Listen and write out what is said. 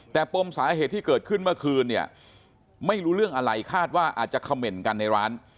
แต่ปมสาเหตุที่เกิดขึ้นเมื่อคืนเนี่ยไม่รู้เรื่องอะไรคาดว่าอาจจะเขม่นกันในร้าน